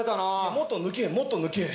もっと抜けもっと抜け。